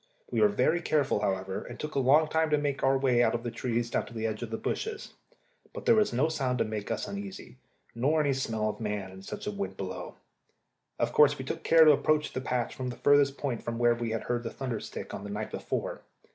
We were very careful, however, and took a long time to make our way out of the trees down to the edge of the bushes; but there was no sound to make us uneasy, nor any smell of man in such wind as blew. Of course we took care to approach the patch at the furthest point from where we had heard the thunder stick on the night before.